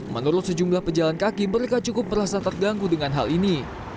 menurut sejumlah pejalan kaki mereka cukup merasa terganggu dengan hal ini